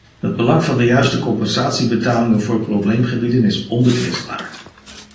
Het belang van de juiste compensatiebetalingen voor probleemgebieden is onbetwistbaar.